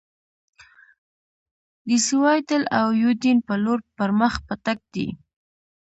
د سیوایډل او یوډین په لور پر مخ په تګ دي.